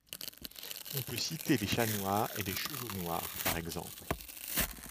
On peut citer les chats noirs et les chevaux noirs par exemple.